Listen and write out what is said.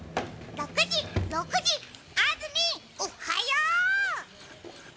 ６時、６時、安住、おはよう。